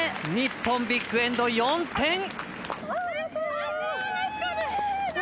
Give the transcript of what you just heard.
日本ビッグエンド、４点！